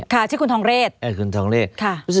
ค่ะชื่อคุณทองเรศ